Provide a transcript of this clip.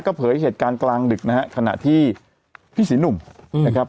ก็เผยเหตุการณ์กลางดึกนะฮะขณะที่พี่ศรีหนุ่มนะครับ